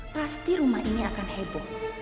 pasti rumah ini akan heboh